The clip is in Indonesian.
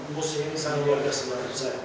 mungkin bisa melihatnya di sana